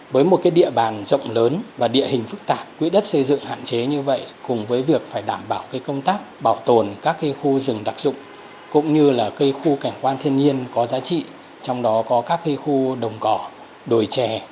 với một địa bàn rộng lớn và địa hình phức tạp quỹ đất xây dựng hạn chế như vậy cùng với việc phải đảm bảo công tác bảo tồn các cây khu rừng đặc dụng cũng như là cây khu cảnh quan thiên nhiên có giá trị trong đó có các cây khu đồng cỏ đồi trè